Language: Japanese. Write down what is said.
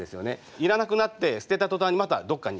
いらなくなって捨てた途端にまたどっかに行っちゃう。